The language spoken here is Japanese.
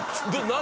何？